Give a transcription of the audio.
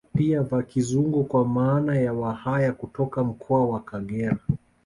Pia Vakizungo kwa maana ya Wahaya kutoka mkoa wa Kagera